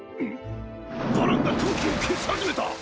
バランが闘気を消し始めた！